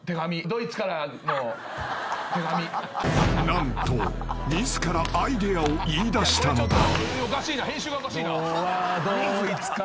［何と自らアイデアを言いだしたのだ］